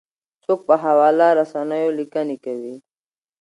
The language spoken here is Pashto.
څوک په خواله رسنیو لیکنې کوي؟